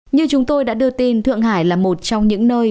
như chúng tôi đã đưa tin thượng hải là một trong những nơi